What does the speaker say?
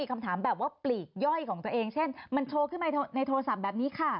คำถามแบบว่าปลีกย่อยของตัวเองเช่นมันโชว์ขึ้นมาในโทรศัพท์แบบนี้ค่ะ